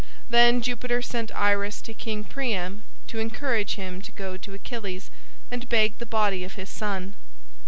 Then Jupiter sent Iris to King Priam to encourage him to go to Achilles and beg the body of his son.